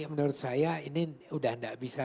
menurut saya ini udah nggak bisa